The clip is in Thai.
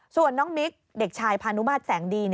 ส่วนน้องมิ๊กเด็กชายพานุมาตรแสงดี